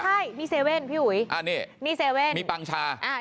ใช่มีเซเว่นพี่อุ๋ยอ่านี่มีเซเว่นมีปังชาอ่า